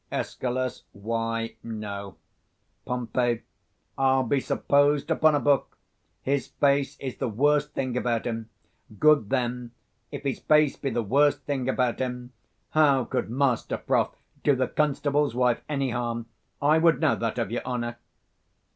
Escal. Why, no. Pom. I'll be supposed upon a book, his face is the worst thing about him. Good, then; if his face be the worst thing about him, how could Master Froth do the constable's 150 wife any harm? I would know that of your honour.